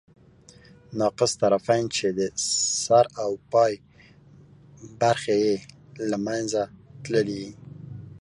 ناقص الطرفین، چي د سر او پای برخي ئې له منځه تللي يي.